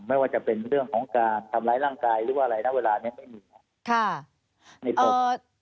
ไม่ว่าจะเป็นเรื่องของการทำลายร่างกายณเวลานี้ไม่มี